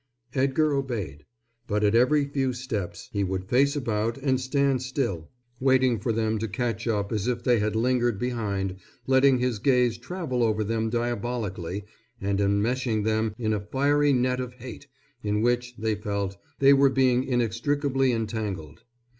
Edgar obeyed. But at every few steps he would face about and stand still, waiting for them to catch up if they had lingered behind, letting his gaze travel over them diabolically and enmeshing them in a fiery net of hate, in which, they felt, they were being inextricably entangled.